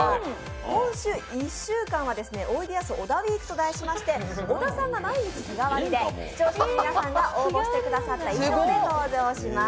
今週、１週間はおいでやす小田ウィークと題しまして小田さんが毎日、日替わりで視聴者の皆さんが応募してくださった衣装で登場します。